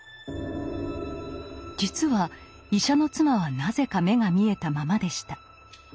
実は医者の妻はなぜか目が見えたままでした。